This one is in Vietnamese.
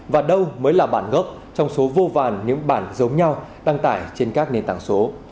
và đâu mới là bản gốc trong số vô vàn những bản giống nhau đăng tải trên các nền tảng số